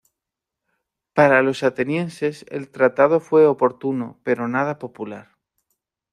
Para los atenienses el tratado fue oportuno pero nada popular.